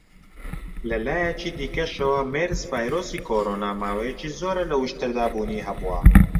لە لایەکی دیکەشەوە، مێرس-ڤایرۆسی کۆڕۆنا ماوەیەکی زۆرە لە وشتردا بوونی هەبووە.